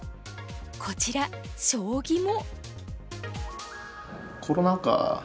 こちら将棋も。